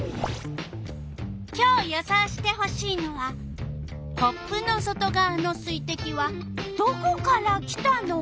今日予想してほしいのはコップの外がわの水てきはどこから来たのか。